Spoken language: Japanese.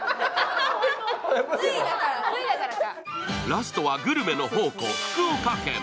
ラストはグルメの宝庫、福岡県。